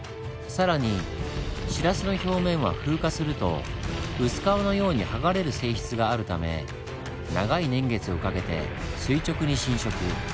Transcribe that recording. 更にシラスの表面は風化すると薄皮のように剥がれる性質があるため長い年月をかけて垂直に浸食。